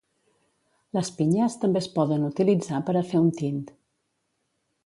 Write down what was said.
Les pinyes també es poden utilitzar per a fer un tint.